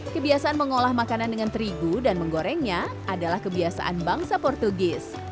kebiasaan mengolah makanan dengan terigu dan menggorengnya adalah kebiasaan bangsa portugis